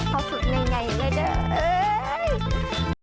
คุณยายถือซ้ำใหม่เพราะสุดไงเลยเด้อเอ้ย